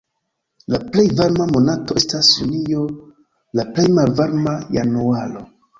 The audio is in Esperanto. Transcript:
La plej varma monato estas junio, la plej malvarma januaro.